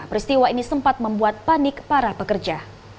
peristiwa ini sempat membuat panik para pekerja